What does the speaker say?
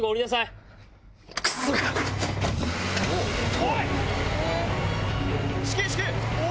おい！